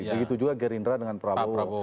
begitu juga gerindra dengan prabowo